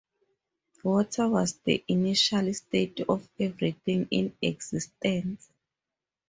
Water was the initial state of everything in existence.